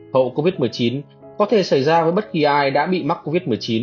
hậu covid một mươi chín có thể xảy ra với bất kỳ ai đã bị mắc covid một mươi chín